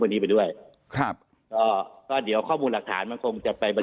วันนี้ไปด้วยครับก็ก็เดี๋ยวข้อมูลหลักฐานมันคงจะไป